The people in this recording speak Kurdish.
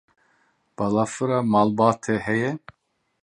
Balafira malbatê heye?